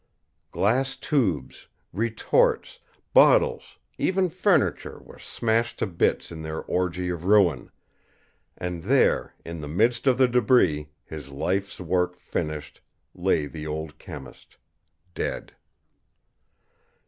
Glass tubes, retorts, bottles, even furniture were smashed to bits in their orgy of ruin and there, in the midst of the debris, his life's work finished, lay the old chemist, dead.